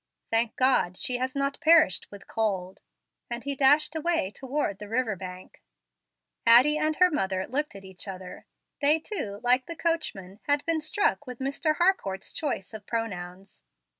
"Thank God, she has not perished with cold"; and he dashed away toward the river bank. Addie and her mother looked at each other. They too, like the coachman, had been struck with Mr. Harcourt's choice of pronouns.